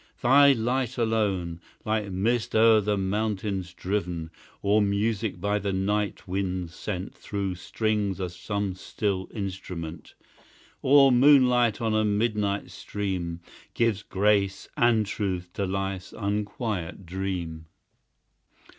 Thy light alone like mist oe'er the mountains driven, Or music by the night wind sent Through strings of some still instrument, Or moonlight on a midnight stream, Gives grace and truth to life's unquiet dream.